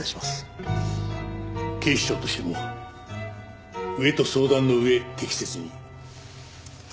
警視庁としても上と相談のうえ適切に。